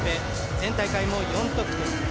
前大会も４得点。